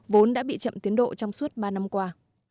vốn đã bị chậm tiến độ trong suốt ba năm qua